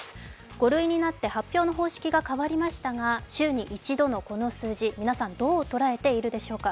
５類になって発表の方式が変わりましたが週に一度のこの数字、皆さんどう捉えているのでしょうか。